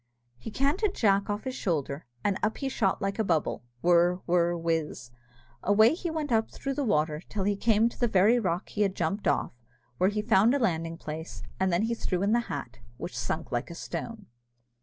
He canted Jack off his shoulder, and up he shot like a bubble whirr, whirr, whiz away he went up through the water, till he came to the very rock he had jumped off, where he found a landing place, and then in he threw the hat, which sunk like a stone.